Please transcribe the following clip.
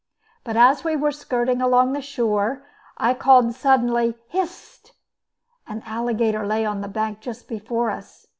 But as we were skirting along the shore I suddenly called "Hist!" An alligator lay on the bank just before us.